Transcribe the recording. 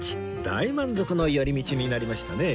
大満足の寄り道になりましたね